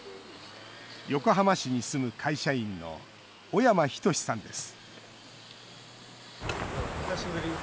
横浜市に住む会社員の小山仁さんです